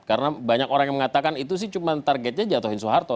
karena banyak orang yang mengatakan itu sih cuma targetnya jatuhin soeharto